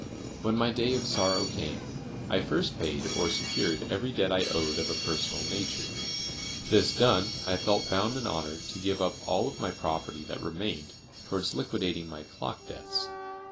When my day of sorrow came, I first paid or secured every debt I owed of a personal nature. This done, I felt bound in honor to give up all of my property that remained towards liquidating my "clock debts."